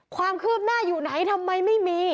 ความคืบหน้าอยู่ไหนทำไมไม่มี